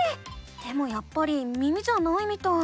でもやっぱり耳じゃないみたい。